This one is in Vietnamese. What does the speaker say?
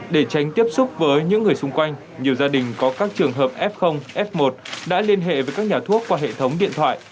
để tránh tiếp xúc với những người xung quanh nhiều gia đình có các trường hợp f f một đã liên hệ với các nhà thuốc qua hệ thống điện thoại